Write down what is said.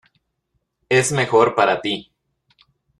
es mejor para ti.